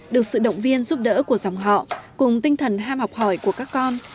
được sự động viên giúp đỡ của dòng họ cùng tinh thần ham học hỏi của các con